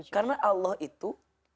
karena allah itu